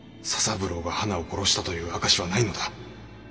三郎がはなを殺したという証しはないのだ。